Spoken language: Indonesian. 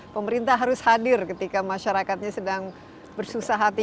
pemerintah harus hadir ketika masyarakatnya sedang bersusah hati